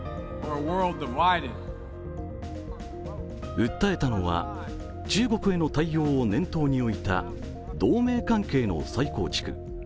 訴えたのは中国への対応を念頭に置いた同盟関係の再構築。